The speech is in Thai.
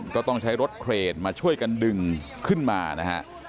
ก็ต้องใช้รถเครนมาช่วยกันดึงขึ้นมานะฮะ